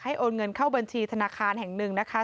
โอนเงินเข้าบัญชีธนาคารแห่งหนึ่งนะคะ